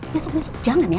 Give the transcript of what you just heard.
maksud maksud jangan ya